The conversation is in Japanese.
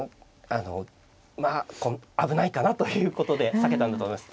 あのまあ危ないかなということで避けたんだと思います。